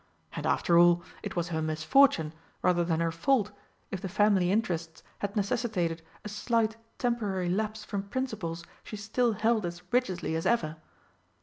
And, after all, it was her misfortune rather than her fault if the family interests had necessitated a slight temporary lapse from principles she still held as rigidly as ever.